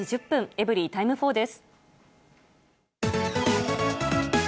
エブリィタイム４です。